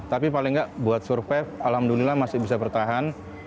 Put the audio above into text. tapi paling nggak buat survive alhamdulillah masih bisa bertahan